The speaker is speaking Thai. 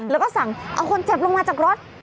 แล้วก็สั่งเอาคนเจ็บลงมาจากรถ